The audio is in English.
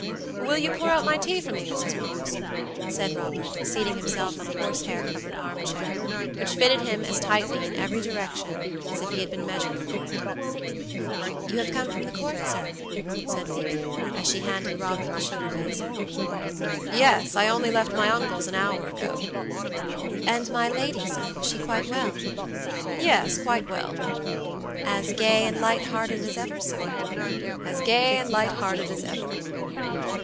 "Will you pour out my tea for me, Mrs. Marks?" said Robert, seating himself on a horsehair covered arm chair, which fitted him as tightly in every direction as if he had been measured for it. "You have come straight from the Court, sir?" said Phoebe, as she handed Robert the sugar basin. "Yes; I only left my uncle's an hour ago." "And my lady, sir, was she quite well?" "Yes, quite well." "As gay and light hearted as ever, sir?" "As gay and light hearted as ever."